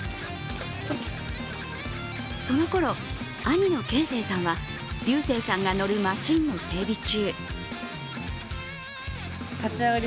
そのころ、兄の賢征さんは龍征さんが乗るマシーンの整備中。